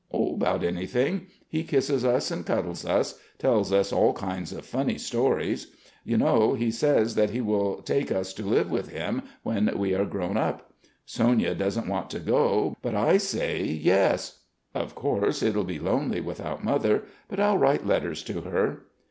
About anything. He kisses us and cuddles us, tells us all kinds of funny stories. You know, he says that he will take us to live with him when we are grown up. Sonya doesn't want to go, but I say 'Yes.' Of course, it'll be lonely without Mother; but I'll write letters to her.